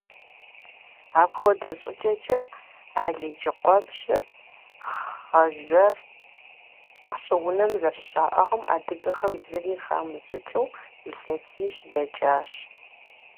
Апхуэдэ щӏыкӏэкӏэ, Алыджыкъуэпщыр хъэзэр щӏыунэм зэрыщаӏыгъым адыгэхэм зыри хамыщӏыкӏыу илъэсищ дэкӏащ.